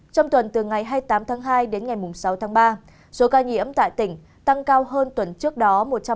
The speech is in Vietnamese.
trong tuần từ ngày hai mươi tám tháng hai đến ngày sáu tháng ba số ca nhiễm tại tỉnh tăng cao hơn tuần trước đó một trăm linh